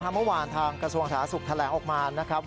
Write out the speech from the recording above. คำถามเมื่อวานทางกระทรวงศาสตร์สุขแทนแหลงออกมานะครับ